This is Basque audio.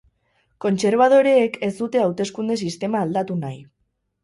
Kontserbadoreek ez dute hauteskunde sistema aldatu nahi.